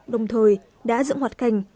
đồng thời đã dựng hoạt cảnh